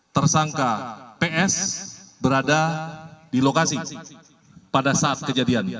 tersangka ps berada di lokasi pada saat kejadian